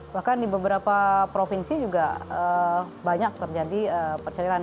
bahkan di beberapa provinsi juga banyak terjadi perceliran